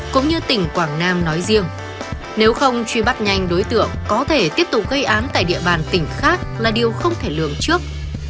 cũng như tỉnh quảng nam nói riêng nếu không truy bắt nhanh đối tượng có thể tiếp tục gây án tại địa bàn tỉnh khác là điều không thể lường trước